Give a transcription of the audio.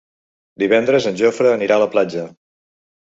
Divendres en Jofre anirà a la platja.